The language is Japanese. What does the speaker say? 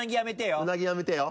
うなぎやめてよ。